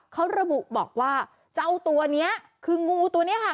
เขาระบุบอกว่าเจ้าตัวนี้คืองูตัวนี้ค่ะ